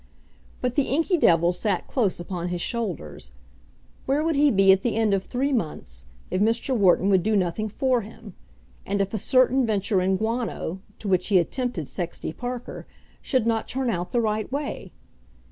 But the inky devil sat close upon his shoulders. Where would he be at the end of three months if Mr. Wharton would do nothing for him, and if a certain venture in guano, to which he had tempted Sexty Parker, should not turn out the right way?